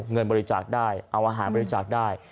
เงินบริจาคได้เอาอาหารบริจาคได้